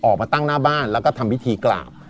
ออกมาตั้งหน้าบ้านแล้วก็ทำพิธีกราบ